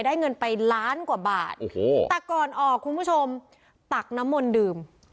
ได้เงินไปล้านกว่าบาทโอ้โหแต่ก่อนออกคุณผู้ชมตักน้ำมนต์ดื่ม